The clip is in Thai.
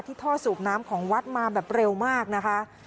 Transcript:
ท่อสูบน้ำของวัดมาแบบเร็วมากนะคะ